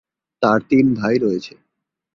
তার তিন ভাই রয়েছে।